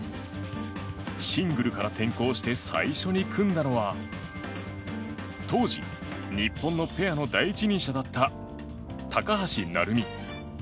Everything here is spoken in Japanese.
シングルから転向して最初に組んだのは当時、日本のペアの第一人者だった高橋成美。